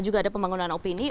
juga ada pembangunan opini